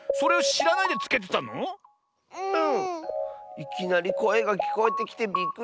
いきなりこえがきこえてきてびっくりしたッス。